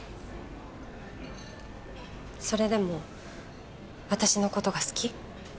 それでも私の事が好き？